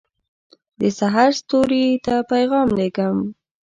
دسحرستوري ته پیغام لېږم